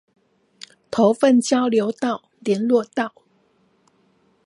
頭份交流道聯絡道